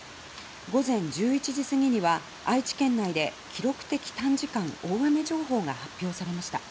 午前１１時過ぎには愛知県内で記録的短時間大雨情報が発表されました。